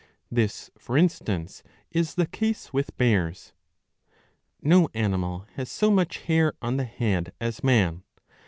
This for instance is the case with bears.'^ No animal has so much hair on the head as man.